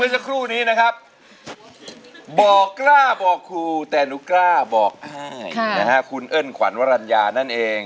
อเจมส์บอกกล้าบอกครูแต่หนูกล้าบอกให้คุณเอิ้นขวัญวรรณยานั่นเอง